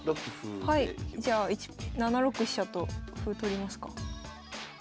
じゃあ７六飛車と歩取りますか。